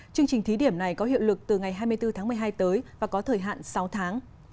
chương trình thí điểm này có hiệu lực từ ngày hai mươi bốn tháng một mươi hai tới và có thời hạn sáu tháng